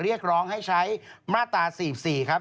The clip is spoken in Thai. เรียกร้องให้ใช้มาตรา๔๔ครับ